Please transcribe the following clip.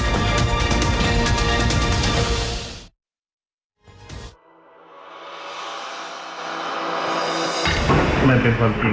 กระบวนการแบบนี้ไม่เป็นความจริง